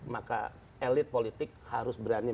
maka elit politik harus berani